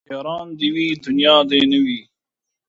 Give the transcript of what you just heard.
ياران دي وي دونيا دي نه وي